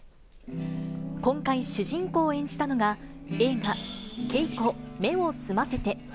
今回、主人公を演じたのが、映画、ケイコ目を澄ませて。